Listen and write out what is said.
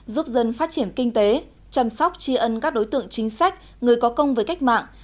giúp dân phát triển kinh tế chăm sóc tri ân các đối tượng chính sách người có công với cách mạng